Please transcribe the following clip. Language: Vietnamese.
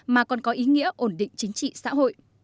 mà còn có ý nghĩa ổn định chính trị xã hội